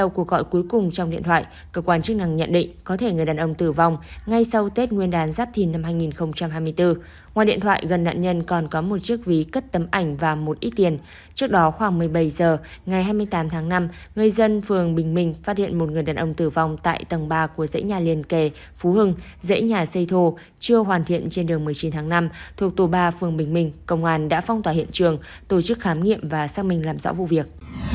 sau khoảng một mươi bảy h ngày hai mươi tám tháng năm người dân phường bình minh phát hiện một người đàn ông tử vong tại tầng ba của dãy nhà liên kề phú hưng dãy nhà xây thô chưa hoàn thiện trên đường một mươi chín tháng năm thuộc tù ba phường bình minh công an đã phong tỏa hiện trường tổ chức khám nghiệm và xác minh làm rõ vụ việc